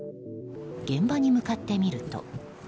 現場に向かってみると。